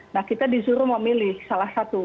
nah kita disuruh memilih salah satu